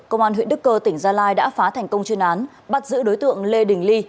công an huyện đức cơ tỉnh gia lai đã phá thành công chuyên án bắt giữ đối tượng lê đình ly